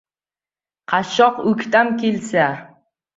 — Qashshoq o‘ktam kelsa